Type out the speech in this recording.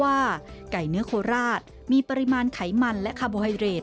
ไก่เนื้อโคราชมีปริมาณไขมันและคาร์โบไฮเรด